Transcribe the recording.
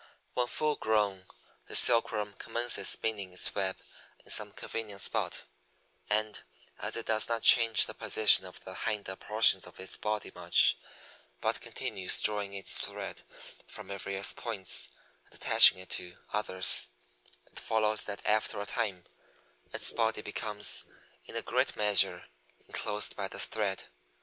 When full grown the Silkworm commences spinning its web in some convenient spot, and as it does not change the position of the hinder portions of its body much, but continues drawing its thread from various points, and attaching it to others, it follows that after a time its body becomes, in a great measure, enclosed by the thread.